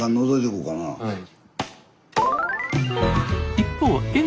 はい。